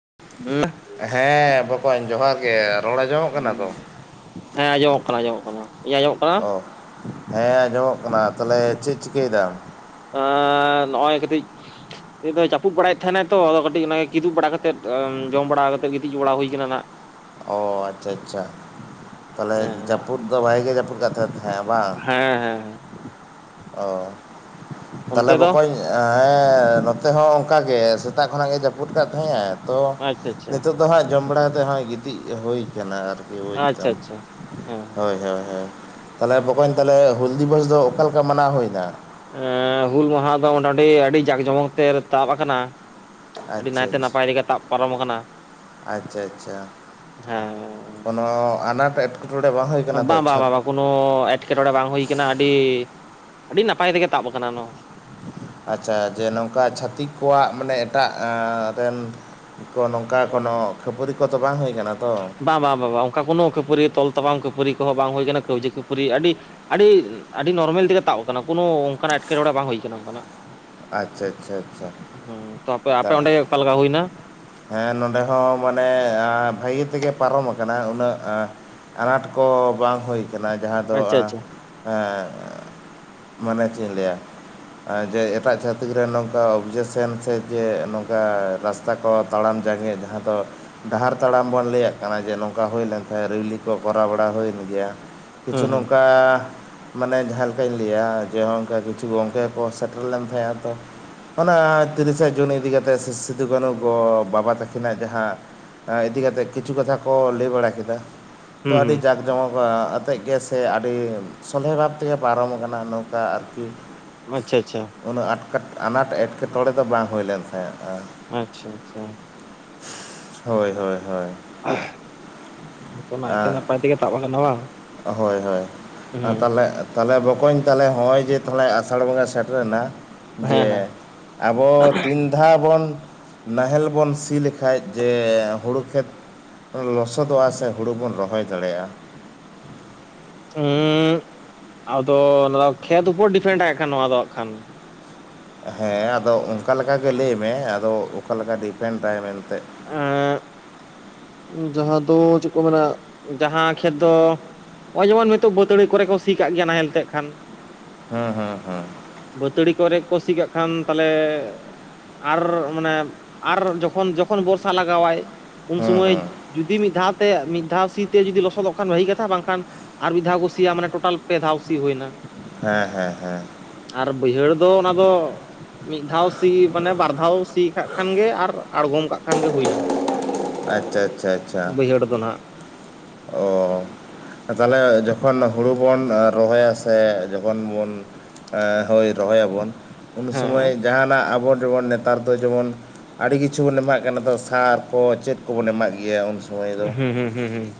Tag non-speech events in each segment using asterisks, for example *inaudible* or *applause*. *unintelligible* ᱦᱮᱸ ᱵᱚᱠᱚᱧ ᱡᱚᱦᱟᱨ ᱜᱮ ᱨᱚᱲ ᱟᱡᱚᱢᱚᱜ ᱠᱟᱱᱟ ᱛᱚ ᱦᱮᱸ ᱟᱸᱡᱚᱢᱚᱜ ᱠᱟᱱᱟ ᱟᱸᱡᱚᱢᱚᱜ ᱠᱟᱱᱟ ᱤᱧᱟᱹᱜ ᱟᱸᱡᱚᱢᱚᱜ ᱠᱟᱱᱟ ᱚ ᱦᱮᱸ ᱟᱸᱡᱚᱢᱚᱜ ᱠᱟᱱᱟ ᱛᱟᱦᱞᱮ ᱪᱮᱫ ᱪᱤᱠᱟᱹᱭ ᱫᱟᱢ? ᱱᱚᱜᱼᱚᱭ ᱠᱟᱹᱴᱤᱡ ᱪᱟᱯᱩᱫ ᱵᱟᱲᱟᱭᱮᱫ ᱛᱟᱦᱮᱱᱟᱭ ᱛᱚ ᱠᱟᱹᱴᱤᱡ ᱠᱤᱫᱩᱵ ᱵᱟᱲᱟ ᱠᱟᱛᱮᱫ ᱡᱚᱢ ᱵᱟᱲᱟ ᱠᱟᱛᱮ ᱜᱤᱛᱤᱡ ᱵᱟᱲᱟ ᱦᱩᱭ ᱠᱟᱱᱟ ᱱᱟᱦᱟᱜ ᱚ ᱟᱪᱪᱷᱟ ᱟᱪᱪᱷᱟ ᱛᱟᱦᱚᱞᱮ ᱦᱮᱸ ᱡᱟᱹᱯᱩᱫ ᱫᱚ ᱵᱷᱟᱜ ᱜᱮ ᱡᱟᱹᱯᱩᱫ ᱛᱟᱦᱮᱸᱫ ᱦᱮᱸ ᱵᱟᱝ ᱦᱮᱸ ᱦᱮᱸ ᱚ ᱚᱱᱛᱮ ᱛᱟᱦᱞᱮ ᱫᱚ ᱵᱚᱠᱚᱧ ᱦᱮᱸ ᱱᱚᱛᱮ ᱦᱚᱸ ᱚᱱᱠᱟ ᱜᱮ ᱥᱮᱛᱟᱜ ᱠᱷᱚᱱᱟᱜ ᱜᱮ ᱡᱟᱹᱯᱩᱫ ᱟᱠᱟᱫ ᱛᱟᱦᱮᱸᱫ ᱮ ᱛᱚ ᱟᱪᱪᱷᱟ ᱟᱪᱪᱷᱟ ᱱᱤᱛᱳ ᱫᱚ ᱦᱟᱸᱜ ᱡᱚᱢ ᱵᱟᱲᱟ ᱠᱟᱛᱮᱫ ᱱᱚᱸᱭ ᱜᱤᱛᱤᱡ ᱦᱩᱭ ᱠᱟᱱᱟ ᱟᱨᱠᱤ ᱵᱩᱡ ᱟᱪᱪᱷᱟ ᱫᱟᱢ ᱟᱪᱪᱷᱟ ᱦᱮᱸ ᱦᱳᱭ ᱦᱳᱭ ᱦᱳᱭ ᱛᱟᱦᱚᱞᱮ ᱵᱚᱠᱚᱧ ᱛᱟᱦᱚᱞᱮ ᱦᱩᱞ ᱫᱤᱵᱚᱥ ᱫᱚ ᱚᱠᱟ ᱞᱮᱠᱟ ᱢᱟᱱᱟᱣ ᱦᱩᱭ ᱱᱟ? ᱮ ᱦᱩᱞ ᱢᱟᱦᱟ ᱫᱚ ᱢᱚᱴᱟ ᱢᱚᱴᱤ ᱟᱹᱰᱤ ᱡᱟᱸᱠ ᱡᱚᱢᱚᱠ ᱛᱮ ᱛᱟᱵ ᱟᱠᱟᱱᱟ᱾ ᱟᱹᱰᱤ ᱟᱪᱪᱷᱟ ᱱᱟᱭᱛᱮ ᱱᱟᱯᱟᱭ ᱟᱪᱪᱷᱟ ᱨᱮᱜᱮ ᱛᱟᱵ ᱯᱟᱨᱚᱢ ᱟᱠᱟᱱᱟ᱾ ᱟᱪᱪᱷᱟ ᱟᱪᱪᱷᱟ ᱦᱮᱸ ᱠᱚᱱᱚ ᱟᱱᱟᱴ ᱮᱴᱠᱮᱴᱚᱬᱮ ᱦᱩᱭ ᱵᱟᱝ ᱠᱟᱱᱟ ᱛᱚ ᱵᱟᱝ ᱪᱷᱟᱛ ᱵᱟᱝ ᱵᱟᱝ ᱠᱚᱱᱚ ᱮᱴᱠᱮᱴᱚᱬᱮ ᱵᱟᱝ ᱦᱩᱭ ᱠᱟᱱᱟ ᱟᱹᱰᱤ ᱟᱹᱰᱤ ᱱᱟᱯᱟᱭ ᱛᱮᱜᱮ ᱛᱟᱵ ᱟᱠᱟᱱᱟ ᱱᱚᱣᱟ ᱟᱪᱪᱷᱟ ᱡᱮ ᱱᱚᱝᱠᱟ ᱪᱷᱷᱟᱛᱤᱠ ᱠᱚᱣᱟᱜ ᱢᱟᱱᱮ ᱮᱴᱟᱜ ᱨᱮᱱ ᱠᱚ ᱱᱚᱝᱠᱟ ᱠᱳᱱᱳ ᱠᱷᱟᱹᱯᱟᱹᱨᱤ ᱠᱚᱫᱚ ᱵᱟᱝ ᱦᱩᱭ ᱟᱠᱟᱱᱟ ᱵᱟᱝ ᱵᱟᱝ ᱵᱟᱝ ᱚᱱᱠᱟ ᱠᱳᱱᱳ ᱠᱷᱟᱹᱯᱟᱹᱨᱤᱭᱟᱹ ᱛᱚᱞ ᱛᱟᱯᱟᱢ ᱠᱷᱯᱟᱹᱨᱤ ᱠᱚᱦᱚᱸ ᱵᱟᱝ ᱦᱩᱭ ᱟᱠᱟᱱᱟ ᱠᱟᱹᱣᱡᱤ ᱠᱷᱯᱟᱹᱨᱤ ᱟᱹᱰᱤ ᱟᱹᱰᱤ ᱟᱹᱰᱤ ᱱᱚᱨᱢᱮᱞ ᱛᱮᱜᱮ ᱛᱟᱵ ᱟᱠᱟᱱᱟ ᱠᱚᱱᱳ ᱚᱱᱠᱟᱱ ᱮᱴᱠᱮᱴᱚᱬᱮ ᱵᱟᱝ ᱦᱩᱭ ᱠᱟᱱᱟ ᱚᱱᱠᱟᱱᱟᱜ ᱟᱪᱪᱷᱟ ᱟᱪᱪᱷᱟ ᱦᱮᱸ ᱛᱚ ᱟᱯᱮ ᱟᱯᱮ ᱟᱪᱪᱷᱟ ᱚᱸᱰᱮ ᱚᱠᱟ ᱞᱮᱠᱟ ᱦᱩᱭᱱᱟ ᱦᱮᱸ ᱱᱚᱸᱰᱮ ᱦᱚᱸ ᱢᱟᱱᱮ ᱵᱷᱟᱹᱜᱤ ᱛᱮᱜᱮ ᱯᱟᱨᱚᱢ ᱟᱠᱟᱱᱟ ᱩᱱᱟᱹᱜ ᱟᱱᱟᱴ ᱠᱚ ᱵᱟᱝ ᱦᱩᱭ ᱠᱟᱱᱟ ᱡᱟᱦᱟᱸ ᱫᱚ ᱟᱪᱪᱷᱟ ᱟᱪᱪᱷᱟ ᱢᱟᱱᱮ ᱪᱤᱫ ᱤᱧ ᱞᱟᱹᱭᱟ ᱮᱴᱟᱜ ᱪᱷᱟᱹᱛᱤᱠ ᱨᱮ ᱱᱚᱝᱠᱟ ᱚᱵᱽᱡᱮᱠᱥᱮᱱ ᱥᱮ ᱪᱮ ᱱᱚᱝᱠᱟ ᱨᱟᱥᱛᱟ ᱠᱚ ᱛᱟᱲᱟᱢ ᱡᱟᱸᱜᱮᱫ ᱡᱟᱦᱟᱸ ᱫᱚ ᱰᱟᱦᱟᱨ ᱛᱟᱲᱟᱢ ᱵᱚᱱ ᱞᱟᱹᱭᱟᱜ ᱠᱟᱱᱟ ᱡᱮ ᱱᱚᱝᱠᱟ ᱦᱩᱭ ᱞᱮᱱᱠᱷᱟᱱ ᱨᱤᱣᱞᱤ ᱠᱚ ᱠᱚᱨᱟᱣ ᱵᱟᱲᱟ ᱦᱩᱭᱮᱱ ᱜᱮᱭᱟ᱾ ᱠᱤᱪᱷᱩ ᱦᱮᱸ ᱦᱮᱸ ᱱᱚᱝᱠᱟ ᱢᱟᱱᱮ ᱡᱟᱦᱟᱸ ᱞᱮᱠᱟᱧ ᱞᱟᱹᱭᱟ ᱡᱮ ᱱᱚᱜ ᱠᱟ ᱠᱤᱪᱷᱩ ᱜᱚᱝᱠᱮ ᱠᱚ ᱥᱮᱴᱮᱨ ᱞᱮᱱ ᱛᱟᱦᱮᱼᱟ ᱛᱚ ᱚᱱᱟ ᱛᱤᱨᱤᱥᱟ ᱡᱩᱱ ᱤᱫᱤ ᱠᱟᱛᱮᱫ ᱥᱮ ᱥᱤᱫᱩᱼᱠᱟᱱᱩ ᱜᱚ ᱵᱟᱵᱟ ᱛᱟᱹᱠᱤᱱᱟᱜ ᱡᱟᱦᱟᱸ ᱤᱫᱤ ᱠᱟᱛᱮᱫ ᱠᱤᱪᱷᱩ ᱠᱟᱛᱷᱟ ᱠᱚ ᱞᱟᱹᱭ ᱵᱟᱲᱟ ᱠᱮᱫᱟ ᱛᱚ ᱦᱩᱸ ᱟᱹᱰᱤ ᱦᱩᱸ ᱡᱟᱠ ᱡᱚᱢᱚᱠ ᱟᱛᱮᱜ ᱜᱮᱥᱮ ᱟᱹᱰᱤ ᱥᱚᱞᱦᱮ ᱵᱷᱟᱵ ᱛᱮᱜᱮ ᱯᱟᱨᱚᱢ ᱟᱠᱟᱱᱟ ᱱᱚᱝᱠᱟ ᱟᱨᱠᱤ ᱟᱪᱪᱷᱟ ᱟᱪᱪᱷᱟ ᱩᱱᱟᱹᱜ ᱟᱴᱠᱟᱴ ᱟᱱᱟᱴ ᱮᱴᱠᱮᱴᱚᱬᱮ ᱫᱚ ᱵᱟᱝ ᱦᱩᱭ ᱞᱮᱱ ᱛᱟᱦᱮᱸᱫ ᱟ ᱟᱪᱪᱷᱟ ᱟᱪᱪᱷᱟ ᱦᱳᱭ ᱦᱳᱭ ᱦᱳᱭ ᱱᱟᱭᱛᱮ ᱟ, ᱱᱟᱯᱟᱭ ᱛᱮᱜᱮ ᱛᱟᱵ ᱟᱠᱟᱱᱟ ᱵᱟᱝ ᱦᱳᱭ ᱦᱳᱭ ᱦᱮᱸ ᱛᱟᱦᱮ ᱛᱟᱦᱚᱞᱮ ᱵᱚᱠᱚᱧ ᱛᱟᱦᱮ ᱱᱚᱜᱼᱚᱭ ᱡᱮ ᱟᱥᱟᱲ ᱵᱚᱸᱜᱟ ᱥᱮᱴᱨᱮᱱᱟ ᱦᱮᱸ ᱡᱮ ᱦᱮᱸ ᱟᱵᱚ ᱛᱤᱱ ᱫᱷᱟᱣ ᱵᱚᱱ ᱱᱟᱦᱮᱞ ᱵᱚᱱ ᱥᱤ ᱞᱮᱠᱷᱟᱡ ᱡᱮ ᱦᱩᱲᱩ ᱠᱷᱮᱛ ᱞᱚᱥᱚᱫᱚᱜᱼᱟ ᱥᱮ ᱦᱩᱲᱩ ᱵᱚᱱ ᱨᱚᱦᱚᱭ ᱫᱟᱲᱮᱭᱟᱜᱼᱟ᱾ ᱦᱩᱢᱸ ᱟᱫᱚ ᱚᱱᱟ ᱠᱷᱮᱛ ᱩᱯᱚᱨ ᱰᱤᱯᱮᱱᱰ ᱠᱷᱟᱱ ᱱᱚᱣᱟ ᱫᱚ ᱦᱟᱸᱜ ᱠᱷᱟᱱ ᱦᱮᱸ ᱟᱫᱚ ᱚᱱᱠᱟ ᱞᱮᱠᱟᱜᱮ ᱞᱟᱹᱭ ᱢᱮ ᱟᱫᱚ ᱚᱠᱟᱞᱮᱠᱟ ᱰᱤᱯᱮᱱᱰ ᱟᱭ ᱢᱮᱱᱛᱮ ᱛᱮ ᱡᱟᱦᱟᱸ ᱫᱚ ᱪᱮᱫ ᱠᱚ ᱢᱮᱱᱟ ᱡᱟᱦᱟᱸ ᱠᱷᱮᱛ ᱫᱚ ᱱᱚᱜᱼᱚᱭ ᱡᱮᱢᱚᱱ ᱱᱤᱛᱚᱜ ᱵᱟᱹᱛᱟᱹᱲᱤ ᱠᱚᱨᱮ ᱠᱚ ᱥᱤ ᱠᱟᱜ ᱜᱮᱭᱟ ᱱᱟᱦᱮᱞ ᱛᱮ ᱠᱷᱟᱱ ᱦᱮᱸ ᱦᱮᱸ ᱦᱮᱸ ᱵᱟᱹᱛᱟᱹᱲᱤ ᱠᱚᱨᱮ ᱠᱚ ᱥᱤ ᱠᱟᱜ ᱠᱷᱟᱱ ᱛᱟᱦᱞᱮ ᱟᱨ ᱢᱟᱱᱮ ᱟᱨ ᱡᱚᱠᱷᱚᱱ ᱡᱚᱠᱷᱚᱱ ᱵᱚᱨᱥᱟ ᱞᱟᱜᱟᱣᱟᱭ ᱩᱱ ᱦᱮᱸ ᱥᱚᱢᱚᱭ ᱦᱮᱸ ᱡᱩᱫᱤ ᱢᱤᱫ ᱫᱷᱟᱣ ᱛᱮ ᱢᱤᱫ ᱫᱷᱟᱣ ᱥᱤ ᱛᱮ ᱡᱩᱫᱤ ᱞᱚᱥᱚᱫᱚᱜ ᱠᱷᱟᱱ ᱵᱷᱟᱹᱜᱤ ᱠᱟᱛᱷᱟ ᱵᱟᱝᱠᱷᱟᱱ ᱟᱨ ᱢᱤᱫ ᱫᱷᱟᱣ ᱠᱚ ᱥᱤᱭᱟ ᱢᱟᱱᱮ ᱴᱳᱴᱟᱞ ᱯᱮ ᱫᱷᱟᱣ᱾ ᱟᱣᱥᱤ ᱦᱩᱭᱱᱟ ᱦᱮᱸ ᱦᱮᱸ ᱦᱮᱸ ᱟᱨ ᱵᱟᱹᱭᱦᱟᱹᱲ ᱫᱚ ᱚᱱᱟ ᱫᱚ ᱢᱤᱫ ᱫᱷᱟᱣ ᱥᱤ ᱢᱟᱱᱮ ᱵᱟᱨ ᱫᱷᱟᱣ ᱥᱤ ᱠᱟᱜ ᱠᱷᱟᱱᱜᱮ ᱟᱨ ᱟᱬᱜᱚᱢ ᱠᱟᱜ ᱠᱷᱟᱱᱜᱮ ᱦᱩᱭᱱᱟ᱾ ᱟᱪᱪᱷᱟ ᱟᱪᱪᱷᱟ ᱟᱪᱪᱷᱟ ᱵᱟᱹᱭᱦᱟᱹᱲ ᱫᱚ ᱱᱟᱦᱟᱜ ᱚ ᱛᱟᱦᱚᱞᱮ ᱛᱚᱠᱷᱚᱱ ᱦᱩᱲᱩ ᱵᱚᱱ ᱨᱚᱦᱚᱭᱟ ᱥᱮ ᱡᱚᱠᱷᱚᱱ ᱵᱚᱱ ᱦᱳ ᱨᱚᱦᱚᱭᱟᱵᱚᱱ ᱦᱮᱸ ᱩᱱᱥᱩᱚᱢᱚᱭ ᱡᱟᱦᱟᱱᱟᱜ ᱟᱵᱚ ᱡᱮᱢᱚᱱ ᱱᱮᱛᱟᱨ ᱫᱚ ᱡᱮᱢᱚᱱ ᱟᱹᱰᱤ ᱠᱤᱪᱷᱩ ᱵᱚᱱ ᱮᱢᱟᱜ ᱠᱟᱱᱟ ᱛᱚ ᱥᱟᱨ ᱠᱚ ᱪᱮᱫ ᱠᱚᱵᱚᱱ ᱮᱢᱟᱜ ᱜᱮᱭᱟ ᱩᱱᱚᱭ ᱦᱢᱸ ᱦᱢᱸ ᱦᱢᱸ ᱦᱢᱸ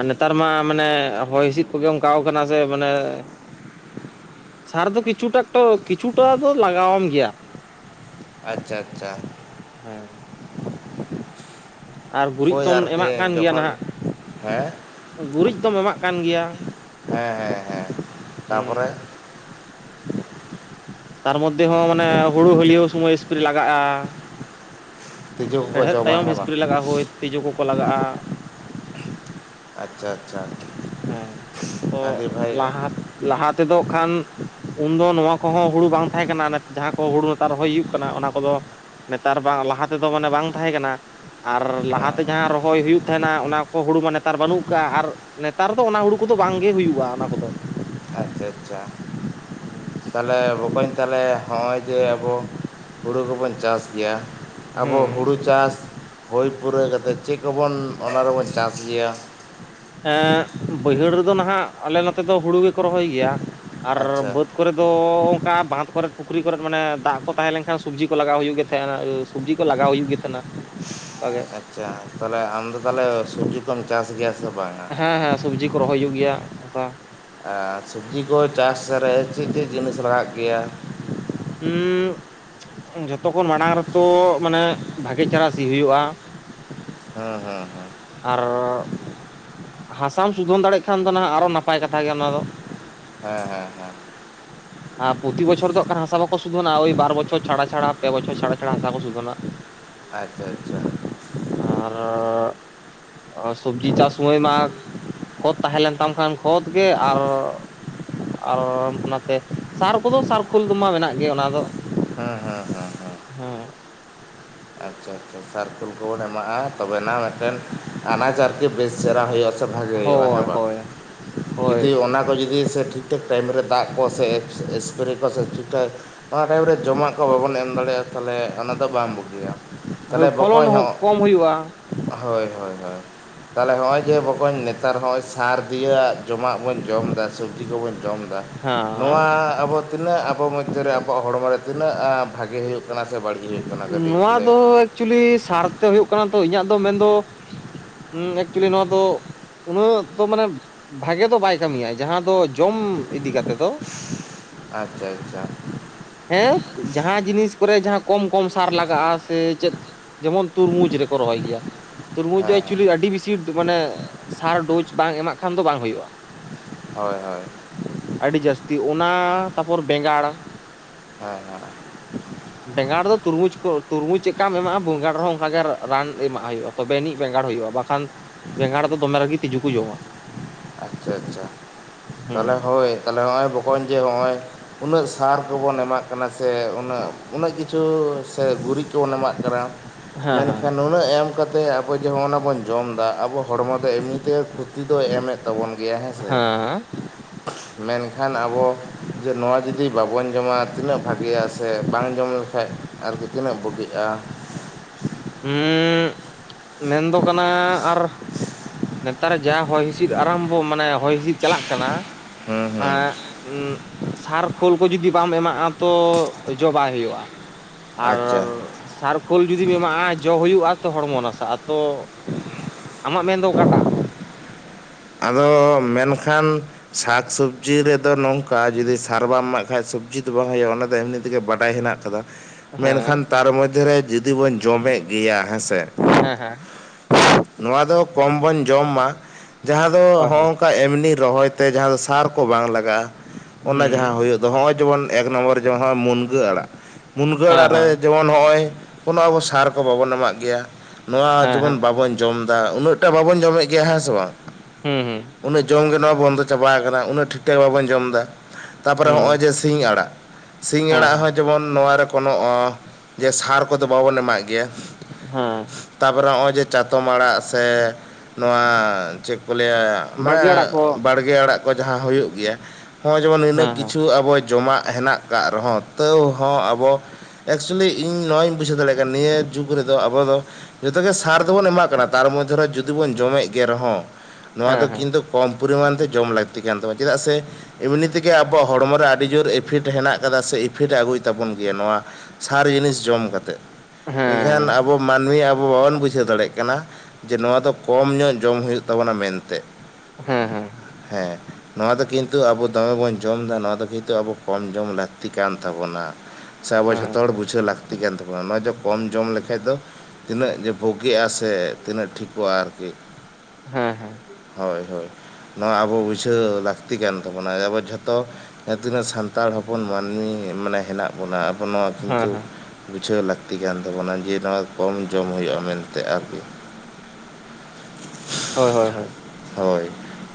ᱟᱨ ᱱᱮᱛᱟᱨ ᱢᱟ ᱢᱟᱱᱮ ᱦᱚᱭ ᱦᱤᱸᱥᱤᱫ ᱠᱚᱜᱮ ᱚᱱᱠᱟᱣ ᱠᱟᱱᱟ ᱥᱮ ᱢᱟᱱᱮ ᱥᱟᱨ ᱫᱚ ᱠᱤᱪᱷᱩᱴᱟᱠ ᱛᱚ ᱠᱤᱪᱷᱩᱴᱟ ᱫᱚ ᱞᱟᱜᱟᱣᱟᱢ ᱜᱮᱭᱟ᱾ ᱟᱪᱪᱷᱟ ᱟᱪᱪᱷᱟ ᱦᱮᱸ ᱟᱨ ᱜᱩᱨᱤᱡ ᱦᱳᱭ ᱛᱚᱢ ᱮᱢᱟᱜ ᱠᱟᱱ ᱟᱨᱠᱤ ᱜᱮᱭᱟ ᱡᱚᱠᱷᱚᱱ ᱦᱮᱸ ᱱᱟᱦᱟᱜ ᱜᱩᱨᱤᱡ ᱫᱚᱢ ᱮᱢᱟᱜ ᱠᱟᱱ ᱜᱮᱭᱟ ᱦᱮᱸ ᱦᱮᱸ ᱦᱩᱸ ᱦᱮᱸ ᱛᱟᱯᱚᱨᱮ ᱛᱟᱨ ᱢᱚᱫᱽᱫᱷᱮ ᱦᱚᱸ ᱢᱟᱱᱮ ᱦᱩᱲᱩ ᱦᱟᱹᱞᱭᱟᱹᱣ ᱥᱚᱢᱚᱭ ᱥᱯᱨᱮ ᱞᱟᱜᱟᱜᱼᱟ ᱛᱤᱡᱩ ᱠᱚᱠᱚ ᱦᱮᱲᱦᱮᱫ ᱡᱚᱢᱟ ᱛᱟᱭᱚᱢ ᱦᱮᱸ ᱵᱟᱝ ᱥᱯᱨᱮ ᱞᱟᱜᱟᱜᱼᱟ ᱦᱳᱭ ᱛᱤᱡᱩ ᱠᱚᱠᱚ ᱞᱟᱜᱟᱜᱼᱟ᱾ ᱟᱪᱪᱷᱟ ᱟᱪᱪᱷᱟ ᱦᱮᱸ ᱛᱚ ᱟᱹᱰᱤ ᱵᱷᱟᱹᱜᱤ ᱞᱟᱦᱟ ᱞᱟᱦᱟ ᱛᱮᱫᱚ ᱠᱷᱟᱱ ᱩᱱᱫᱚ ᱱᱚᱣᱟ ᱠᱚᱦᱚᱸ ᱦᱩᱲᱩ ᱵᱟᱝ ᱛᱟᱦᱮᱸ ᱠᱟᱱᱟ ᱡᱟᱦᱟᱸ ᱠᱚ ᱦᱩᱲᱩ ᱱᱮᱛᱟᱨ ᱨᱚᱦᱚᱭ ᱦᱩᱭᱩᱜ ᱠᱟᱱᱟ ᱚᱱᱟ ᱠᱚᱫᱚ ᱱᱮᱛᱟᱨ ᱵᱟᱝ ᱞᱟᱦᱟ ᱛᱮᱫᱚ ᱢᱟᱱᱮ ᱵᱟᱝ ᱛᱟᱦᱮᱸ ᱠᱟᱱᱟ᱾ ᱟᱨ ᱦᱮᱸ ᱞᱟᱦᱟᱛᱮ ᱡᱟᱦᱟᱸ ᱨᱚᱦᱚᱭ ᱦᱩᱭᱩᱜ ᱛᱟᱦᱮᱱᱟ ᱚᱱᱟ ᱠᱚ ᱦᱩᱲᱩ ᱢᱟ ᱱᱮᱛᱟᱨ ᱵᱟᱹᱱᱩᱜ ᱠᱟᱜᱼᱟ ᱟᱨ ᱱᱮᱛᱟᱨ ᱫᱚ ᱚᱱᱟ ᱦᱩᱲᱩ ᱠᱚ ᱫᱚ ᱵᱟᱝᱜᱮ ᱦᱩᱭᱩᱜᱼᱟ ᱚᱱᱟ ᱠᱚᱫᱚ ᱟᱪᱪᱷᱟ ᱟᱪᱪᱷᱟ ᱛᱟᱦᱞᱮ ᱵᱚᱠᱚᱧ ᱛᱟᱦᱚᱞᱮ ᱦᱚᱸᱜᱼᱚᱭ ᱡᱮ ᱟᱵᱚ ᱦᱩᱲᱩ ᱠᱚᱵᱚᱱ ᱪᱟᱥ ᱜᱮᱭᱟ ᱟᱵᱚ ᱦᱩᱸ ᱦᱩᱲᱩ ᱪᱟᱥ ᱦᱩᱭ ᱯᱩᱨᱟᱹᱣ ᱠᱟᱛᱮᱫ ᱪᱮᱫ ᱠᱚᱵᱚᱱ ᱚᱱᱟ ᱨᱮᱵᱚᱱ ᱪᱟᱥ ᱜᱮᱭᱟ ᱮᱸ ᱵᱟᱹᱭᱦᱟᱹᱲ ᱨᱮᱫᱚ ᱱᱟᱦᱟᱜ ᱟᱞᱮ ᱱᱚᱛᱮ ᱫᱚ ᱦᱩᱲᱩ ᱜᱮᱠᱚ ᱨᱚᱦᱚᱭ ᱜᱮᱭᱟ ᱟᱨ ᱟᱪᱪᱷᱟ ᱵᱟᱹᱫᱽ ᱠᱚᱨᱮ ᱫᱚ ᱚᱱᱠᱟ ᱵᱟᱸᱫ ᱠᱚᱨᱮ ᱯᱩᱠᱷᱨᱤ ᱠᱚᱨᱮᱮᱫ ᱢᱟᱱᱮ ᱫᱟᱜ ᱠᱚ ᱛᱟᱦᱮᱸ ᱞᱮᱱᱠᱷᱟᱱ ᱥᱚᱵᱽᱡᱤ ᱠᱚ ᱞᱟᱜᱟᱣ ᱦᱩᱭᱩᱜ ᱜᱮ ᱛᱟᱦᱮᱸᱱᱟ ᱥᱚᱵᱽᱡᱤ ᱠᱚ ᱞᱟᱜᱟᱣ ᱦᱩᱭᱩᱜ ᱜᱮ ᱛᱟᱦᱮᱸᱱᱟ ᱚᱱᱠᱟᱜᱮ ᱟᱪᱪᱷᱟ ᱛᱟᱦᱚᱞᱮ ᱟᱢ ᱫᱚ ᱛᱟᱦᱚᱞᱮ ᱥᱚᱵᱡᱤ ᱠᱚᱢ ᱪᱟᱥ ᱜᱮᱭᱟ? ᱥᱮ ᱵᱟᱝᱟ ᱦᱮᱸ ᱦᱮᱸ ᱥᱚᱵᱡᱤ ᱠᱚ ᱨᱚᱦᱚᱭ ᱦᱩᱭᱩᱜ ᱜᱮᱭᱟ ᱚᱱᱠᱟ ᱟᱨ ᱥᱚᱵᱡᱤ ᱠᱚ ᱪᱟᱥ ᱨᱮ ᱪᱮᱫ ᱪᱮᱫ ᱡᱤᱱᱤᱥ ᱞᱟᱜᱟᱜ ᱜᱮᱭᱟ? ᱦᱩᱸ ᱡᱷᱚᱛᱚᱠᱷᱚᱱ ᱢᱟᱲᱟᱝ ᱨᱮᱛᱚ ᱢᱟᱱᱮ ᱵᱷᱟᱹᱜᱮ ᱪᱮᱦᱮᱨᱟ ᱥᱤ ᱦᱩᱭᱩᱜᱼᱟ ᱦᱮᱸ ᱦᱮᱸ ᱦᱮᱸ ᱟᱨ ᱦᱟᱥᱟᱢ ᱥᱩᱫᱷᱚᱱ ᱫᱟᱲᱮᱜ ᱠᱷᱟᱱ ᱫᱚ ᱱᱟᱦᱟᱜ ᱟᱨᱦᱚ ᱱᱟᱯᱟᱭ ᱠᱟᱛᱷᱟ ᱜᱮ ᱚᱱᱟ ᱫᱚ ᱦᱮᱸ ᱦᱮᱸ ᱦᱮᱸ *unintelligible* ᱟᱨ ᱯᱨᱚᱛᱤ ᱵᱚᱪᱷᱚᱨ ᱫᱚ ᱚᱠᱟᱨᱮ ᱦᱚ ᱦᱟᱥᱟ ᱵᱟᱠᱚ ᱥᱩᱫᱷᱚᱱᱟ ᱳᱭ ᱵᱟᱨ ᱵᱚᱪᱷᱚᱨ ᱪᱷᱟᱰᱟ ᱪᱷᱟᱰᱟ ᱯᱮ ᱵᱚᱪᱷᱚᱨ ᱪᱷᱟᱰᱟ ᱪᱷᱟᱰᱟ ᱦᱟᱥᱟ ᱠᱚ ᱥᱩᱫᱷᱚᱱᱟ ᱟᱪᱪᱷᱟ ᱟᱪᱪᱷᱟ *unintelligible* ᱟᱨ ᱥᱚᱵᱽᱡᱤ ᱪᱟᱥ ᱥᱚᱢᱚᱭ ᱢᱟ ᱠᱷᱚᱛ ᱛᱟᱦᱮᱸ ᱞᱮᱱ ᱛᱟᱢ ᱠᱷᱟᱱ ᱠᱷᱚᱛ ᱜᱮ ᱟᱨ ᱟᱨ ᱚᱱᱟᱛᱮ ᱥᱟᱨ ᱠᱚᱫᱚ ᱥᱟᱨ ᱠᱷᱳᱞ ᱠᱚᱢᱟ ᱢᱮᱱᱟᱜ ᱜᱮ ᱚᱱᱟ ᱫᱚ ᱦᱮᱸ ᱦᱮᱸ ᱦᱮᱸ ᱦᱮᱸ ᱥᱟᱨᱠᱮᱞ ᱠᱚᱵᱚᱱ ᱮᱢᱟᱜᱼᱟ ᱛᱚᱵᱮᱱᱟ ᱢᱤᱫᱴᱮᱱ ᱟᱱᱟᱡ ᱟᱨᱠᱤ ᱵᱮᱥ ᱪᱮᱦᱨᱟ ᱦᱩᱭᱩᱜᱼᱟ ᱵᱷᱟᱜᱮ ᱦᱩᱭᱩᱜᱼᱟ ᱦᱮᱸ ᱦᱳᱭ ᱵᱟᱝ ᱦᱳᱭ ᱦᱳᱭ ᱡᱩᱫᱤ ᱚᱱᱟ ᱠᱚ ᱡᱩᱫᱤ ᱥᱮ ᱴᱷᱤᱠ ᱴᱷᱟᱠ ᱴᱟᱭᱤᱢ ᱨᱮ ᱫᱟᱜ ᱠᱚ ᱥᱮ ᱮᱥᱯᱨᱮ ᱠᱚ ᱥᱮ ᱴᱷᱤᱠ ᱴᱷᱟᱠ ᱚᱱᱟ ᱴᱟᱭᱤᱢ ᱨᱮ ᱡᱚᱢᱟᱜ ᱠᱚ ᱵᱚᱱ ᱮᱢ ᱫᱟᱲᱮᱭᱟᱜᱼᱟ ᱛᱟᱦᱚᱞᱮ ᱚᱱᱟ ᱫᱚ ᱵᱟᱝ ᱵᱩᱜᱤᱭᱟ ᱦᱳᱭ ᱛᱟᱦᱚᱞᱮ ᱯᱷᱚᱞᱚᱱ ᱵᱚᱠᱚᱭ ᱦᱚᱸ ᱠᱚᱢ ᱦᱩᱭᱩᱜᱼᱟ ᱦᱳᱭ ᱦᱳᱭ ᱦᱳᱭ ᱛᱟᱦᱚᱞᱮ ᱦᱚᱜᱼᱚᱭ ᱡᱮ ᱵᱚᱠᱚᱧ ᱱᱮᱛᱟᱨ ᱦᱚᱸᱜᱼᱚᱭ ᱥᱟᱨ ᱫᱤᱭᱟᱹᱣᱟᱜ ᱡᱚᱢᱟᱜ ᱵᱚᱱ ᱡᱚᱢ ᱫᱟ ᱥᱚᱵᱽᱡᱤ ᱠᱚᱵᱚᱱ ᱡᱚᱢ ᱫᱟ ᱦᱮᱸ ᱱᱚᱣᱟ ᱟᱵᱚ ᱛᱤᱱᱟᱹᱜ ᱟᱵᱚ ᱢᱚᱫᱽᱫᱷᱟᱨᱟ ᱟᱵᱚᱣᱟᱜ ᱦᱚᱲᱢᱚ ᱨᱮ ᱛᱤᱱᱟᱹᱜ ᱟ ᱵᱷᱟᱜᱮ ᱦᱩᱭᱩᱜ ᱠᱟᱱᱟ ᱥᱮ ᱵᱟᱹᱲᱤᱡ ᱦᱩᱭᱩᱜ ᱠᱟᱱᱟ ᱠᱟᱹᱴᱤᱡ ᱱᱚᱣᱟ ᱞᱟᱹᱭ ᱫᱚ ᱮᱠᱪᱩᱞᱤ ᱥᱟᱨᱛᱮ ᱦᱩᱭᱩᱜ ᱠᱟᱱᱟ ᱛᱚ ᱤᱧᱟᱹᱜ ᱫᱚ ᱢᱮᱱᱫᱚ ᱦᱮᱸ ᱮᱠᱪᱩᱞᱤ ᱱᱚᱣᱟ ᱫᱚ ᱩᱱᱟᱹᱜ ᱫᱚ ᱢᱟᱱᱮ ᱵᱷᱟᱜᱮ ᱫᱚ ᱵᱟᱭ ᱠᱟᱹᱢᱤᱭᱟ ᱡᱟᱦᱟᱸ ᱫᱚ ᱡᱚᱢ ᱤᱫᱤ ᱠᱟᱛᱮ ᱫᱚ ᱟᱪᱪᱷᱟ ᱟᱪᱪᱷᱟ *unintelligible* *inaudible* ᱡᱟᱦᱟᱸ ᱡᱤᱱᱤᱥ ᱠᱚᱨᱮ ᱡᱟᱦᱟᱸ ᱠᱚᱢ ᱠᱚᱢ ᱥᱟᱨ ᱞᱟᱜᱟᱜᱼᱟ ᱥᱮ ᱪᱮᱫ ᱡᱮᱢᱚᱱ ᱛᱩᱨᱢᱩᱡᱽ ᱨᱮᱠᱚ ᱨᱚᱦᱚᱭ ᱜᱮᱭᱟ ᱛᱩᱨᱢᱩᱡᱽ ᱦᱮᱸ ᱮᱠᱪᱩᱞᱤ ᱟᱹᱰᱤ ᱵᱮᱥᱤ ᱢᱟᱱᱮ ᱥᱟᱨ ᱰᱳᱡᱽ ᱵᱟᱝ ᱮᱢᱟᱜ ᱠᱷᱟᱱ ᱫᱚ ᱵᱟᱝ ᱦᱳᱭᱳᱜᱼᱟ ᱦᱳᱭ ᱦᱳᱭ *unintelligible* ᱟᱹᱰᱤ ᱡᱟᱹᱥᱛᱤ ᱚᱱᱟ ᱛᱟᱯᱚᱨ ᱵᱮᱸᱜᱟᱲ ᱦᱮᱸ ᱦᱮᱸ ᱵᱮᱸᱜᱟᱲ ᱫᱚ ᱛᱩᱨᱢᱩᱡᱽ ᱠᱚ ᱛᱩᱨᱢᱩᱡᱽ ᱪᱮᱜᱠᱟᱢ ᱮᱢᱟᱜᱼᱟ ᱵᱮᱸᱜᱟᱲ ᱨᱮᱦᱚᱸ ᱚᱱᱠᱟᱜᱮ ᱨᱟᱱ ᱮᱢᱟᱜ ᱦᱩᱭᱩᱜᱼᱟ ᱛᱚᱵᱮ ᱟᱹᱱᱤᱡ ᱵᱮᱸᱜᱟᱲ ᱦᱩᱭᱩᱜᱼᱟ ᱵᱟᱠᱷᱟᱱ ᱵᱮᱸᱜᱟᱲ ᱫᱚ ᱫᱚᱢᱮ ᱨᱟᱜᱤ ᱛᱤᱸᱡᱩ ᱠᱚ ᱡᱚᱢᱟ ᱟᱪᱪᱷᱟ ᱟᱪᱪᱷᱟ ᱛᱟᱦᱟᱞᱮ ᱦᱮᱸ ᱦᱳᱭ ᱛᱟᱦᱟᱞᱮ ᱱᱚᱜ-ᱚᱭ ᱵᱚᱠᱚᱧ ᱡᱮ ᱦᱚᱸᱜ-ᱚᱭ ᱩᱱᱟᱹᱜ ᱥᱟᱨ ᱠᱚᱵᱚᱱ ᱮᱢᱟᱜ ᱠᱟᱱᱟ ᱥᱮ ᱩᱱᱟᱹᱜ ᱩᱱᱟᱹᱜ ᱠᱤᱪᱷᱩ ᱥᱮ ᱜᱩᱨᱤᱡ ᱠᱚᱵᱚᱱ ᱮᱢᱟᱜ ᱠᱟᱱᱟ ᱦᱮᱸ ᱦᱮᱸ ᱢᱮᱱᱠᱷᱟᱱ ᱱᱩᱱᱟᱹᱜ ᱮᱢ ᱠᱟᱛᱮ ᱟᱵᱚ ᱡᱮ ᱚᱱᱮ ᱵᱚᱱ ᱡᱚᱢ ᱫᱟ ᱟᱵᱚ ᱦᱚᱲᱢᱚ ᱨᱮ ᱮᱢᱱᱤ ᱛᱮ ᱠᱷᱚᱛᱤ ᱫᱚᱭ ᱮᱢᱮᱫ ᱛᱟᱵᱚᱱ ᱜᱮᱭᱟ ᱦᱮᱸ ᱥᱮ ᱢᱮᱱᱠᱷᱟᱱ ᱟᱵᱚ ᱡᱮ ᱱᱚᱣᱟ ᱡᱩᱫᱤ ᱵᱟᱵᱚᱱ ᱡᱚᱢᱟ ᱛᱤᱱᱟᱹᱜ ᱵᱷᱟᱜᱮᱭᱟ ᱥᱮ ᱵᱟᱝ ᱡᱚᱢ ᱞᱮᱠᱷᱟᱡ ᱟᱨᱠᱤ ᱛᱤᱱᱟᱹᱜ ᱵᱩᱜᱤᱜᱼᱟ ᱦᱮᱸ ᱢᱮᱱᱫᱚ ᱠᱟᱱᱟ ᱟᱨ ᱱᱮᱛᱟᱨ ᱡᱟ ᱦᱚᱭ ᱦᱤᱸᱥᱤᱫ ᱟᱨᱟᱢᱵᱚ ᱢᱟᱱᱮ ᱦᱚᱭ ᱦᱤᱸᱥᱤᱫ ᱪᱟᱞᱟᱜ ᱠᱟᱱᱟ ᱦᱩᱸ ᱦᱩᱸ ᱟᱨ ᱩᱸ ᱥᱟᱨ ᱠᱷᱳᱞ ᱠᱚ ᱡᱩᱫᱤ ᱵᱟᱢ ᱮᱢᱟᱜᱼᱟ ᱛᱚ ᱡᱚ ᱵᱟᱭ ᱦᱩᱭᱩᱜᱼᱟ ᱟᱨ ᱟᱪᱪᱷᱟ ᱥᱟᱨᱠᱷᱳᱞ ᱡᱩᱫᱤᱢ ᱮᱢᱟᱜᱼᱟ ᱡᱚ ᱦᱩᱭᱩᱜᱼᱟ ᱛᱚ ᱦᱚᱲᱢᱚ ᱱᱟᱥ ᱟ ᱛᱚ ᱟᱢᱟᱜ ᱢᱮᱱᱫᱚ ᱚᱠᱟᱴᱟᱜ ᱟᱫᱚ ᱢᱮᱱᱠᱷᱟᱱ ᱥᱟᱠ ᱥᱚᱵᱽᱡᱤ ᱨᱮᱫᱚ ᱱᱚᱝᱠᱟ ᱡᱩᱫᱤ ᱥᱟᱨᱵᱟᱢ ᱮᱢᱟᱜ ᱠᱷᱟᱡ ᱥᱚᱵᱽᱡᱤ ᱫᱚ ᱵᱟᱝ ᱦᱩᱭᱩᱜᱼᱟ ᱚᱱᱟ ᱫᱚ ᱮᱢᱱᱤ ᱛᱮᱜᱮ ᱵᱟᱰᱟᱭ ᱦᱮᱱᱟᱜ ᱠᱟᱫᱟ ᱢᱮᱱᱠᱷᱟᱱ ᱦᱮᱸ ᱛᱟᱨ ᱢᱚᱫᱽᱫᱷᱮᱨᱮ ᱡᱩᱫᱤ ᱵᱚᱱ ᱡᱚᱢᱮᱫ ᱜᱮᱭᱟ ᱦᱮᱸᱥᱮ ᱦᱮᱸ ᱦᱮᱸ ᱱᱚᱣᱟ ᱫᱚ ᱠᱚᱢ ᱵᱚᱱ ᱡᱚᱢ ᱢᱟ ᱡᱟᱦᱟᱸ ᱫᱚ ᱦᱳᱭ ᱦᱳᱭ ᱦᱚᱸᱜ ᱱᱚᱝᱠᱟ ᱮᱢᱱᱤ ᱨᱚᱦᱚᱭ ᱛᱮ ᱡᱟᱦᱟᱸ ᱫᱚ ᱥᱟᱨ ᱠᱚ ᱵᱟᱝ ᱞᱟᱜᱟᱜᱼᱟ ᱚᱱᱟ ᱡᱟᱦᱟᱸ ᱦᱩᱸ ᱦᱩᱭᱩᱜ ᱫᱚ ᱦᱚᱸᱜᱼᱚᱭ ᱡᱮᱢᱚᱱ ᱮᱠ ᱱᱚᱢᱵᱚᱨ ᱡᱮᱢᱚᱱ ᱢᱩᱱᱜᱟᱹ ᱟᱲᱟᱜ ᱢᱩᱱᱜᱟᱹ ᱦᱮᱸ ᱟᱲᱟᱜ ᱨᱮ ᱦᱮᱸ ᱡᱮᱢᱚᱱ ᱱᱚᱜᱼᱚᱭ ᱠᱳᱱᱳ ᱟᱵᱚ ᱥᱟᱨ ᱠᱚ ᱵᱟᱵᱚᱱ ᱮᱢᱟᱜ ᱜᱮᱭᱟ ᱱᱚᱣᱟ ᱦᱮᱸ ᱦᱮᱸ ᱡᱮᱢᱚᱱ ᱵᱟᱵᱚᱱ ᱡᱚᱢ ᱩᱱᱟᱹᱜ ᱴᱟ ᱵᱟᱵᱚᱱ ᱡᱚᱢᱮᱫ ᱜᱮᱭᱟ ᱦᱮᱸ ᱵᱟᱝ ᱦᱩᱸ ᱦᱩᱸ ᱩᱱᱟᱹᱜ ᱡᱚᱢ ᱵᱚᱱᱫᱚ ᱪᱟᱵᱟ ᱟᱠᱟᱱᱟ ᱩᱱᱟᱹᱜ ᱴᱷᱤᱠ ᱴᱷᱟᱠ ᱵᱟᱵᱚᱱ ᱡᱚᱢ ᱮᱫᱟ ᱛᱟᱯᱚᱨᱮ ᱦᱚᱸᱜᱼᱚᱭ ᱡᱮ ᱦᱩᱸ ᱥᱤᱧ ᱟᱲᱟᱜ ᱥᱤᱧ ᱦᱮᱸ ᱟᱲᱟᱜ ᱦᱮᱸ ᱦᱚᱸ ᱡᱮᱢᱚᱱ ᱱᱚᱣᱟ ᱨᱮ ᱠᱚᱱᱳ ᱡᱮ ᱥᱟᱨ ᱠᱚᱫᱚ ᱵᱟᱵᱚᱱ ᱮᱢᱟᱜ ᱜᱮᱭᱟ ᱦᱮᱸ ᱛᱟᱯᱚᱨᱮ ᱱᱚᱜᱼᱚᱭ ᱡᱮ ᱪᱟᱛᱚᱢ ᱟᱲᱟᱜ ᱥᱮ ᱱᱚᱣᱟ ᱪᱮᱫ ᱠᱚ ᱞᱟᱹᱭᱟ ᱵᱟᱲᱜᱮ ᱢᱟᱱᱮ ᱟᱲᱟᱜ ᱠᱚ ᱵᱟᱲᱜᱮ ᱟᱲᱟᱜ ᱠᱚ ᱡᱟᱦᱟᱸ ᱦᱩᱭᱩᱜ ᱜᱮᱭᱟ ᱦᱚᱸᱜᱼ ᱡᱮᱢᱚᱱ ᱦᱮᱸ ᱱᱤᱱᱟᱹᱜ ᱦᱮᱸ ᱠᱤᱪᱷᱩ ᱟᱵᱚ ᱡᱚᱢᱟᱜ ᱦᱮᱱᱟᱜ ᱟᱠᱟᱫ ᱨᱮᱦᱚᱸ ᱛᱟᱹᱣ ᱦᱚᱸ ᱟᱵᱚ ᱮᱠᱪᱩᱭᱮᱞᱤ ᱤᱧ ᱱᱚᱣᱟᱧ ᱵᱩᱡᱷᱟᱹᱣ ᱫᱟᱲᱮᱭᱟᱜ ᱠᱟᱱᱟ ᱱᱤᱭᱟᱹ ᱡᱩᱜᱽ ᱨᱮᱫᱚ ᱟᱵᱚ ᱫᱚ ᱡᱚᱛᱚᱜᱮ ᱥᱟᱨ ᱫᱚᱵᱚᱱ ᱮᱢᱟᱜ ᱠᱟᱱᱟ ᱛᱟᱨ ᱢᱚᱫᱽᱫᱷᱮ ᱨᱮ ᱡᱩᱫᱤ ᱵᱚᱱ ᱡᱚᱢᱮᱫ ᱜᱮ ᱨᱮᱦᱚᱸ ᱱᱚᱣᱟ ᱦᱮᱸ ᱫᱚ ᱦᱮᱸ ᱠᱤᱱᱛᱩ ᱠᱚᱢ ᱯᱚᱨᱤᱢᱟᱱ ᱛᱮ ᱡᱚᱢ ᱞᱟᱹᱠᱛᱤ ᱠᱟᱱ ᱛᱟᱵᱱᱟ ᱪᱮᱫᱟᱜ ᱥᱮ ᱮᱢᱱᱤ ᱛᱮᱜᱮ ᱟᱵᱚᱣᱟᱜ ᱦᱚᱲᱢᱚ ᱨᱮ ᱟᱹᱰᱤ ᱡᱳᱨ ᱤᱯᱷᱷᱤᱴ ᱦᱮᱱᱟᱜ ᱟᱠᱟᱫᱟ ᱥᱮ ᱤᱯᱷᱷᱤᱴ ᱟᱹᱜᱩ ᱛᱟᱵᱚᱱ ᱜᱮᱭᱟ ᱱᱚᱣᱟ ᱥᱟᱨ ᱡᱤᱱᱤᱥ ᱡᱚᱢ ᱠᱟᱛᱮ ᱢᱮᱱᱠᱷᱟᱱ ᱦᱮᱸ ᱟᱵᱚ ᱢᱟᱹᱱᱢᱤ ᱟᱵᱚ ᱵᱟᱵᱚᱱ ᱵᱩᱡᱷᱟᱹᱣ ᱫᱟᱲᱮᱭᱟᱜ ᱠᱟᱱᱟ ᱡᱮ ᱱᱚᱣᱟ ᱫᱚ ᱠᱚᱢ ᱧᱚᱜ ᱡᱚᱢ ᱦᱩᱭᱩᱜ ᱛᱟᱵᱚᱱᱟ ᱢᱮᱱᱛᱮ ᱦᱮᱸ ᱦᱮᱸ ᱦᱮᱸ ᱦᱮᱸ ᱱᱚᱣᱟ ᱫᱚ ᱠᱤᱱᱛᱩ ᱟᱵᱚ ᱫᱚᱢᱮ ᱵᱚᱱ ᱡᱚᱢ ᱮᱫᱟ ᱱᱚᱣᱟ ᱫᱚ ᱠᱤᱱᱛᱩ ᱟᱵ ᱠᱚᱢ ᱡᱚᱢ ᱞᱟᱹᱠᱛᱤ ᱠᱟᱱ ᱛᱟᱵᱳᱱᱟ ᱥᱮ ᱟᱵᱚ ᱡᱷᱚᱛᱚ ᱦᱚᱲ ᱵᱩᱡᱷᱟᱹᱣ ᱞᱟᱹᱠᱛᱤ ᱠᱟᱱ ᱛᱟᱵᱚᱱᱟ ᱱᱚᱶᱟ ᱫᱚ ᱠᱚᱢ ᱡᱚᱢ ᱞᱮᱠᱟᱡ ᱫᱚ ᱛᱤᱱᱟᱹᱜ ᱡᱮ ᱵᱩᱜᱤᱜᱼᱟ ᱥᱮ ᱛᱤᱱᱟᱹᱜ ᱴᱷᱤᱠᱚᱜᱼᱟ ᱟᱨᱠᱤ ᱦᱮᱸ ᱦᱮᱸ ᱦᱳᱭ ᱦᱳᱭ ᱱᱚᱣᱟ ᱟᱵᱚ ᱵᱩᱡᱷᱟᱹᱣ ᱞᱟᱹᱠᱛᱤ ᱠᱟᱱ ᱛᱟᱵᱳᱱᱟ ᱟ ᱡᱷᱚᱛᱚ ᱡᱟᱦᱟᱸ ᱛᱤᱱᱟᱹᱜ ᱥᱟᱱᱛᱟᱲ ᱦᱚᱯᱚᱱ ᱟ ᱢᱟᱹᱱᱢᱤ ᱢᱟᱱᱮ ᱦᱮᱱᱟᱜ ᱵᱚᱱᱟ ᱟᱵᱚ ᱱᱚᱣᱟ ᱦᱮᱸ ᱠᱤᱱᱛᱩ ᱦᱮᱸ ᱤᱪᱷᱟᱹᱣ ᱞᱟᱹᱠᱛᱤ ᱠᱟᱱ ᱛᱟᱵᱚᱱᱟ ᱡᱮ ᱱᱚᱣᱟ ᱠᱚᱢ ᱡᱚᱢ ᱦᱩᱭᱩᱜᱼᱟ ᱢᱮᱱᱛᱮ ᱟᱨᱠᱤ ᱦᱳᱭ ᱦᱳᱭ ᱦᱳᱭ ᱦᱳᱭ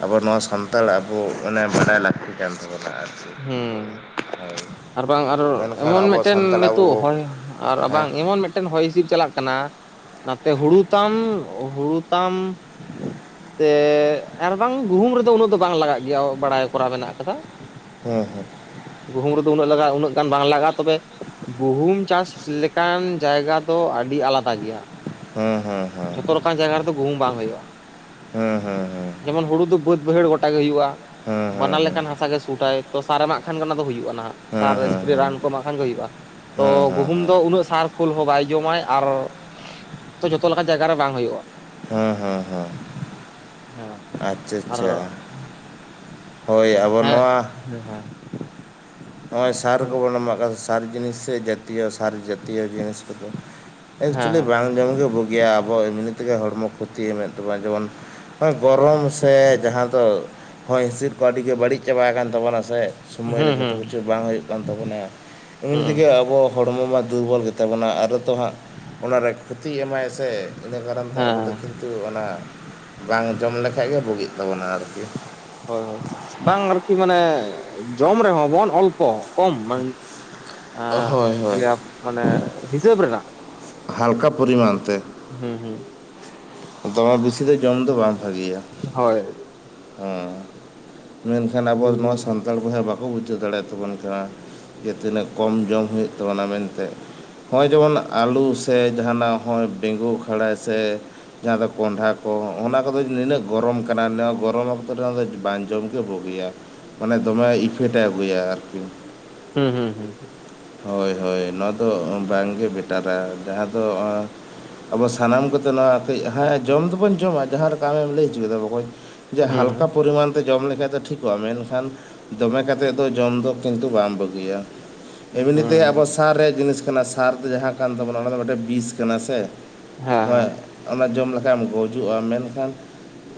ᱟᱵᱚ ᱱᱚᱣᱟ ᱥᱟᱱᱛᱟᱲ ᱟᱵᱚ ᱵᱟᱰᱟᱭ ᱞᱟᱹᱠᱛᱤ ᱠᱟᱱ ᱛᱟᱵᱚᱱᱟ ᱦᱩᱸ *unintelligible* ᱟᱨ ᱵᱟᱝ ᱢᱮᱱᱠᱷᱟᱱ ᱮᱢᱚᱱ ᱟᱵᱚ ᱢᱤᱫᱴᱮᱱ ᱥᱟᱱᱛᱟᱲ ᱟᱵᱚ ᱱᱤᱛᱚᱜ ᱵᱚ ᱦᱚᱸ ᱟᱨ ᱦᱮᱸ ᱵᱟᱝ ᱮᱢᱚᱱ ᱢᱤᱫᱴᱮᱱ ᱦᱚᱭ ᱦᱤᱸᱥᱤᱫ ᱪᱟᱞᱟᱜ ᱠᱟᱱᱟ ᱱᱟᱛᱮ ᱦᱩᱲᱩ ᱛᱟᱢ ᱦᱩᱲᱩ ᱛᱟᱢ ᱛᱮ ᱟᱨ ᱵᱟᱝ ᱜᱩᱦᱩᱢ ᱨᱮᱫᱚ ᱩᱱᱟᱹᱜ ᱫᱚ ᱵᱟᱝ ᱞᱟᱜᱟᱜ ᱜᱮᱭᱟ ᱵᱟᱲᱟᱭ ᱠᱚᱨᱟᱣ ᱢᱮᱱᱟᱜ ᱠᱟᱫᱟ ᱦᱮᱸ ᱦᱮᱸ ᱩᱱᱟᱹᱜ ᱜᱟᱱ ᱵᱟᱝ ᱞᱟᱜᱟᱜᱼᱟ ᱛᱚᱵᱮ ᱜᱩᱦᱩᱢ ᱪᱟᱥ ᱞᱮᱠᱟᱱ ᱡᱟᱭᱜᱟ ᱫᱚ ᱟᱹᱰᱤ ᱟᱹᱰᱤ ᱟᱞᱟᱫᱟ ᱜᱮᱭᱟ ᱦᱮᱸ ᱦᱮᱸ ᱦᱮᱸ ᱡᱷᱚᱛᱚ ᱞᱮᱠᱟᱱ ᱡᱟᱭᱜᱟ ᱨᱮᱫᱚ ᱜᱩᱦᱩᱢ ᱵᱟᱝ ᱦᱩᱭᱩᱜᱼᱟ ᱦᱮᱸ ᱦᱮᱸ ᱦᱮᱸ ᱡᱮᱢᱚᱱ ᱦᱩᱲᱩᱫ ᱵᱟᱹᱫ ᱵᱟᱭᱦᱟᱹᱲ ᱜᱚᱴᱟ ᱜᱚᱴᱟ ᱜᱮ ᱦᱩᱭᱩᱜᱼᱟ ᱦᱮᱸ ᱦᱮᱸ ᱵᱟᱱᱟᱨ ᱞᱮᱠᱟᱱ ᱦᱮᱸ ᱦᱟᱥᱟ ᱜᱮ ᱥᱩᱴᱟᱭ ᱛᱚ ᱥᱟᱨᱮ ᱮᱢᱟᱜ ᱠᱷᱟᱱ ᱜᱮ ᱚᱱᱟ ᱫᱚ ᱦᱩᱭᱩᱜᱼᱟ ᱱᱟᱦᱟᱜ ᱥᱟᱨ ᱦᱮᱸ ᱦᱮᱸ ᱦᱮᱸ ᱮᱥᱯᱨᱮ ᱨᱟᱱ ᱠᱚ ᱦᱮᱸ ᱮᱢᱟᱜ ᱠᱷᱟᱱ ᱜᱮ ᱦᱩᱭᱩᱜᱼᱟ ᱛᱚ ᱦᱮᱸ ᱜᱩᱦᱩᱢ ᱫᱚ ᱩᱱᱟᱹᱜ ᱥᱟᱨ ᱠᱳᱞ ᱦᱚᱸ ᱵᱟᱭ ᱡᱚᱢᱟ ᱟᱨ ᱛᱚ ᱡᱚᱛᱚ ᱞᱮᱠᱟᱱ ᱡᱟᱭᱜᱟ ᱨᱮ ᱵᱟᱝ ᱦᱩᱭᱩᱜᱼᱟ ᱦᱮᱸ ᱦᱮᱸ ᱦᱮᱸ ᱦᱮᱸ ᱵᱟᱝ ᱟᱪᱪᱷᱟ ᱟᱨ ᱟᱪᱪᱷᱟ ᱦᱳᱭ ᱟᱵᱚ ᱦᱮᱸ ᱱᱚᱣᱟ ᱦᱮᱸ ᱦᱮᱸ ᱱᱚᱜᱼᱚᱸᱚᱭ ᱥᱟᱨ ᱠᱚᱵᱚᱱ ᱮᱢᱟᱜ ᱠᱟᱱ ᱥᱟᱨ ᱡᱤᱱᱤᱥ ᱥᱮ ᱡᱟᱹᱛᱤᱭᱚ ᱥᱟᱨ ᱡᱟᱛᱤᱭᱚ ᱡᱤᱱᱤᱥ ᱠᱚᱫᱚ ᱦᱮᱸ ᱮᱠᱪᱩᱞᱮᱞᱤ ᱵᱟᱝ ᱡᱚᱢᱜᱮ ᱵᱩᱜᱤᱭᱟ ᱟᱵᱚ ᱮᱢᱱᱤ ᱛᱮᱜᱮ ᱦᱚᱲᱢᱚ ᱠᱷᱚᱛᱤᱭ ᱮᱢᱮᱫ ᱛᱟᱵᱚᱱᱟ ᱡᱮᱢᱚᱱ ᱜᱚᱨᱚᱢ ᱥᱮ ᱡᱟᱦᱟᱸ ᱫᱚ ᱦᱚᱭ ᱦᱤᱸᱥᱤᱫ ᱠᱚ ᱟᱹᱰᱤ ᱜᱮ ᱵᱟᱹᱲᱤᱡ ᱪᱟᱵᱟ ᱟᱠᱟᱱ ᱛᱟᱵᱚᱱᱟ ᱥᱮ ᱥᱚᱢᱚᱭ ᱨᱮ ᱦᱮᱸ ᱡᱷᱚᱛᱚ ᱦᱮᱸ ᱠᱤᱪᱷᱩ ᱵᱟᱝ ᱦᱩᱭᱩᱜ ᱛᱟᱵᱚᱱᱟ ᱮᱢ ᱦᱮᱸ ᱛᱮᱜᱮ ᱟᱵᱚ ᱦᱚᱲ ᱦᱚᱲᱢᱚ ᱢᱟ ᱫᱩᱨᱵᱚᱞ ᱜᱮᱛᱟᱵᱚᱱᱟ ᱟᱨ ᱛᱚ ᱦᱟᱸᱜ ᱚᱱᱟᱨᱮ ᱠᱷᱚᱛᱤᱭ ᱮᱢᱟᱭ ᱥᱮ ᱤᱱᱟᱹ ᱠᱟᱨᱚᱱ ᱛᱮ ᱟᱵᱚ ᱦᱮᱸ ᱫᱚ ᱠᱤᱱᱛᱩ ᱚᱱᱟ ᱵᱟᱝ ᱡᱚᱢ ᱞᱮᱠᱷᱟᱡ ᱜᱮ ᱵᱩᱜᱤᱜ ᱛᱟᱵᱚᱱᱟ ᱟᱨᱠᱤ ᱦᱳᱭ ᱦᱳᱭ ᱵᱟᱝ ᱟᱨᱠᱤ ᱢᱟᱱᱮ ᱡᱚᱢ ᱨᱮᱦᱚᱸ ᱵᱚᱱ ᱚᱞᱯᱚ ᱠᱚᱢ ᱢᱟᱱᱮ ᱦᱳᱭ ᱦᱳᱭ ᱢᱟᱱᱮ ᱦᱤᱥᱟᱹᱵ ᱨᱮᱱᱟᱜ ᱦᱟᱞᱠᱟ ᱯᱚᱨᱤᱢᱟᱱ ᱛᱮ ᱦᱮᱸ ᱦᱮᱸ ᱫᱚᱢᱮ ᱵᱮᱥᱤ ᱫᱚ ᱡᱚᱢ ᱫᱚ ᱵᱟᱝ ᱵᱷᱟᱜᱮᱭᱟ ᱦᱳᱭ ᱦᱮᱸ ᱢᱮᱱᱠᱷᱟᱱ ᱟᱵᱚ ᱦᱩᱸ ᱱᱚᱣᱟ ᱦᱩᱸ ᱥᱟᱱᱛᱟᱲ ᱵᱚᱭᱦᱟ ᱵᱟᱝ ᱵᱟᱠᱚ ᱵᱩᱡᱷᱟᱹᱣ ᱫᱟᱲᱮᱭᱟ ᱛᱟᱵᱚᱱ ᱠᱟᱱᱟ ᱡᱮ ᱛᱤᱱᱟᱹᱜ ᱠᱚᱢ ᱡᱚᱢ ᱦᱩᱭᱩᱜ ᱛᱟᱵᱚᱱᱟ ᱢᱮᱱᱛᱮ ᱱᱚᱸᱜᱼᱚᱭ ᱡᱮᱢᱚᱱ ᱟᱹᱞᱩ ᱥᱮ ᱡᱟᱦᱟᱱᱟᱜ ᱱᱚᱸᱜᱼᱚᱭ ᱵᱮᱸᱜᱩ ᱠᱷᱟᱲᱟ ᱥᱮ ᱡᱟᱦᱟᱸ ᱫᱚ ᱠᱚᱸᱰᱷᱟ ᱠᱚ ᱚᱱᱟ ᱠᱚᱫᱚ ᱱᱤᱱᱟᱹᱜ ᱜᱚᱨᱚᱢ ᱠᱟᱱᱟ ᱜᱚᱨᱚᱢ ᱚᱠᱛᱚ ᱨᱮ ᱫᱚ ᱵᱟᱝ ᱡᱚᱢᱜᱮ ᱵᱩᱜᱩᱭᱟ ᱢᱟᱱᱮ ᱫᱚᱢᱮ ᱤᱯᱷᱮᱠᱴᱮ ᱟᱹᱜᱩᱭᱟ ᱟᱨᱠᱤ ᱦᱩᱸ ᱦᱩᱸ ᱦᱮᱸ ᱦᱳᱭ ᱦᱳᱭ ᱱᱚᱣᱟ ᱫᱚ ᱵᱟᱝᱜᱮ ᱵᱮᱴᱟᱨᱟ ᱡᱟᱦᱟᱸ ᱫᱚ ᱟᱵᱚ ᱥᱟᱱᱟᱢ ᱠᱚᱛᱮ ᱱᱚᱣᱟ ᱠᱟᱹᱡ ᱡᱚᱢ ᱫᱚᱵᱚᱱ ᱡᱚᱢᱟ ᱡᱟᱦᱟᱸ ᱞᱮᱠᱟ ᱟᱢᱮᱢ ᱞᱟᱹᱭ ᱫᱚ ᱠᱮᱫᱟ ᱵᱚᱠᱚᱧ ᱡᱮ ᱦᱩᱸ ᱦᱟᱞᱠᱟ ᱯᱚᱨᱤᱢᱟᱱ ᱛᱮ ᱡᱚᱢ ᱞᱮᱠᱷᱟᱡ ᱫᱚ ᱴᱷᱤᱠᱚᱜᱼᱟ ᱢᱮᱱᱠᱷᱟᱱ ᱫᱚᱢᱮ ᱠᱟᱛᱮᱫ ᱫᱚ ᱡᱚᱢ ᱫᱚ ᱠᱤᱱᱛᱩ ᱵᱟᱝ ᱵᱟᱹᱜᱤᱭᱟ ᱦᱩᱸ ᱮᱢᱱᱤ ᱛᱮ ᱦᱩᱸ ᱟᱵᱚ ᱥᱟᱨ ᱨᱮᱭᱟᱜ ᱡᱤᱱᱤᱥ ᱠᱟᱱᱟ ᱥᱟᱨ ᱫᱚ ᱡᱟᱦᱟᱸ ᱠᱟᱱ ᱛᱟᱵᱚᱱᱟ ᱚᱱᱟ ᱫᱚ ᱢᱤᱫᱴᱮᱱ ᱵᱤᱥ ᱠᱟᱱᱟ ᱥᱮ ᱦᱮᱸ ᱚᱱᱟ ᱡᱚᱢ ᱞᱮᱠᱷ ᱜᱩᱡᱩᱜᱼᱟ ᱢᱮᱱᱠᱷᱟᱱ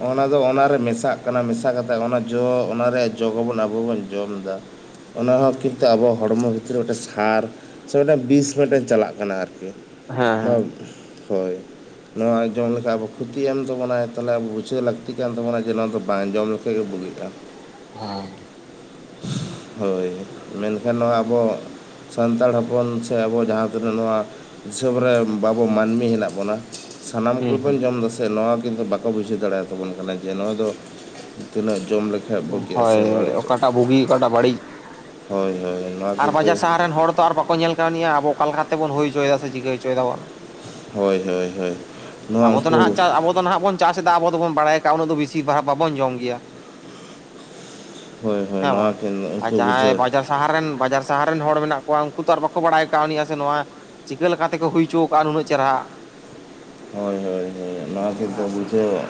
ᱚᱱᱟ ᱫᱚ ᱚᱱᱟ ᱨᱮ ᱢᱮᱥᱟᱜ ᱠᱟᱱᱟ ᱢᱮᱥᱟ ᱠᱟᱛᱮ ᱚᱱᱟ ᱡᱚ ᱚᱱᱟ ᱨᱮᱭᱟᱜ ᱡᱚᱵᱚᱱ ᱟᱵᱚ ᱵᱚᱱ ᱡᱚᱢ ᱮᱫᱟ ᱚᱱᱟ ᱦᱚᱸ ᱦᱚᱸ ᱠᱤᱱᱛᱩ ᱟᱵᱚ ᱦᱚᱲᱢᱚ ᱵᱷᱤᱛᱨᱤ ᱢᱤᱫᱴᱮᱱ ᱥᱟᱨ ᱥᱮ ᱢᱤᱫᱴᱮᱱ ᱵᱤᱥ ᱢᱤᱫᱴᱮᱱ ᱪᱟᱞᱟᱜ ᱠᱟᱱᱟ ᱟᱨᱠᱤ ᱦᱮᱸ ᱱᱚᱣᱟ ᱦᱳᱭ *inaudible* ᱱᱚᱣᱟ ᱡᱚᱢ ᱞᱮᱠᱷᱟᱟᱱ ᱟᱵᱚ ᱠᱷᱚᱛᱤᱜ ᱮᱢ ᱛᱟᱵᱚᱱᱟᱭ ᱛᱟᱦᱚᱞᱮ ᱟᱵᱚ ᱵᱩᱡᱷᱟᱹᱣ ᱞᱟᱹᱠᱛᱤ ᱠᱟᱱ ᱛᱟᱵᱚᱱᱟ ᱡᱮ ᱱᱚᱣᱟ ᱫᱚ ᱵᱟᱝ ᱡᱚᱢ ᱞᱮᱠᱷᱷᱟᱡ ᱜᱮ ᱵᱩᱜᱤ ᱦᱮᱸ ᱦᱳᱭ ᱢᱮᱱᱠᱷᱟᱱ ᱱᱚᱣᱟ ᱟᱵᱚ *inaudible* ᱥᱟᱱᱛᱟᱲ ᱦᱚᱯᱚᱱ ᱥᱮ ᱟᱵᱚ ᱡᱟᱦᱟᱸ ᱛᱤᱱᱟᱹᱜ ᱱᱚᱣᱟ ᱫᱤᱥᱚᱢ ᱨᱮ ᱵᱟᱵᱚ ᱢᱟᱹᱱᱢᱤ ᱦᱮᱱᱟᱜ ᱵᱚᱱᱟ ᱥᱟᱱᱟᱢ ᱦᱩᱸ ᱠᱚᱜᱮᱵᱚᱱ ᱡᱚᱢ ᱫᱟᱥᱮ ᱱᱚᱣᱟ ᱠᱤᱱᱛᱩ ᱵᱟᱠᱚ ᱵᱩᱡᱷᱟᱹᱣ ᱫᱟᱲᱮᱭᱟᱛᱟᱵᱚᱱ ᱠᱟᱱᱟ ᱡᱮ ᱱᱚᱣᱟ ᱫᱚ ᱛᱤᱱᱟᱹᱜ ᱡᱚᱢ ᱞᱮᱠᱟᱱ ᱦᱩᱸ ᱵᱩᱜᱤᱜ ᱟ ᱦᱳᱭ ᱥᱮ ᱵᱟᱹᱲᱤᱡᱚᱜ ᱚᱠᱟᱴᱟᱜ ᱵᱩᱜᱤ ᱚᱠᱟᱴᱟᱜ ᱵᱟᱹᱲᱤᱡ ᱦᱳᱭ ᱦᱳᱭ ᱱᱚᱣᱟ ᱟᱨ ᱠᱤᱱᱛᱩ ᱵᱟᱡᱟᱨ ᱥᱟᱦᱟᱨ ᱨᱮᱱ ᱦᱚᱲ ᱛᱚ ᱟᱨ ᱵᱟᱠᱚ ᱧᱮᱞ ᱠᱟᱹᱭᱱᱤᱡ ᱟ ᱟᱵᱚ ᱚᱠᱟ ᱞᱮᱠᱟᱛᱮᱵᱚᱱ ᱦᱩᱭᱪᱚᱭᱮᱫᱟ ᱥᱮ ᱪᱤᱠᱟᱹ ᱦᱚᱪᱚᱭ ᱫᱟᱵᱚᱱ ᱦᱳᱭ ᱦᱳᱭ ᱦᱳᱭ ᱱᱚᱣᱟ ᱟᱵᱚ ᱫᱚ ᱦᱟᱜ ᱩᱱᱠᱩ ᱪᱟᱥ ᱟᱵᱚ ᱫᱚ ᱦᱟᱜ ᱵᱚᱱ ᱪᱟᱥᱮᱫᱟ ᱟᱵᱚ ᱵᱚᱱ ᱵᱟᱲᱟᱭ ᱠᱟᱜᱼᱟ ᱩᱱᱟᱹᱜ ᱫᱚ ᱵᱮᱥᱤᱨ ᱵᱷᱟᱜ ᱵᱟᱵᱚᱱ ᱡᱚᱢ ᱜᱮᱭᱟ ᱦᱳᱭ ᱦᱳᱭ ᱦᱮᱸ ᱱᱚᱣᱟ ᱵᱟᱝ ᱠᱤᱱ ᱟᱨ ᱩᱱᱠᱩ ᱡᱟᱦᱟᱸᱭ ᱵᱩᱡᱷᱟᱹᱣ ᱵᱟᱡᱟᱨ ᱥᱟᱦᱟᱨ ᱨᱮᱱ ᱵᱟᱡᱟᱨ ᱥᱟᱦᱟᱨ ᱨᱮᱱ ᱦᱚᱲ ᱢᱮᱱᱟᱜ ᱠᱚᱣᱟ ᱩᱱᱠᱩ ᱛᱚ ᱟᱨ ᱵᱟᱠᱚ ᱵᱟᱲᱟᱭ ᱠᱟᱣ ᱱᱤᱡ ᱟᱥᱮ ᱱᱚᱣᱟ ᱪᱤᱠᱟᱹ ᱞᱮᱠᱟ ᱞᱮᱠᱟᱛᱮᱠᱚ ᱦᱩᱭᱪᱚᱣ ᱟᱠᱟᱫᱼᱟ ᱱᱩᱹᱱᱟᱜ ᱪᱮᱨᱦᱟ *inaudible* ᱦᱳᱭ ᱦᱳᱭ ᱦᱳᱭ ᱚᱱᱟ ᱦᱮᱸ ᱜᱮᱠᱚ ᱵᱩᱡᱷᱟᱹᱣᱟ